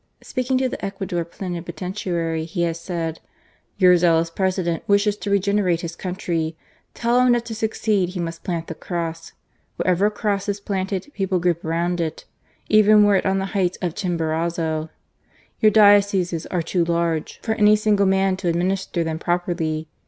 Speaking to the Ecuador plenipotentiary he had said :" Your zealous President wishes to regenerate his country : tell him that to succeed, he must plant the cross. Wherever a cross is placed, people group round it, even were it on the heights of Chimborazo. Your dioceses are too large for any single man to administer them properly.